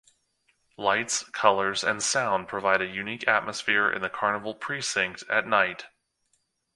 Lights, colours and sound provide a unique atmosphere in the Carnival precinct at night.